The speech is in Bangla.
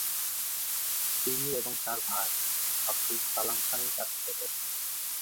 তিনি এবং তার ভাই, আবদুল সালাম খানের কাছে বেড়ে ওঠেন।